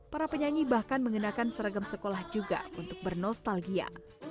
para penyanyi bahkan mengenakan seragam sekolah juga untuk bernostalgia